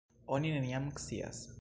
Oni neniam scias.